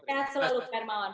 sehat selalu pak hermawan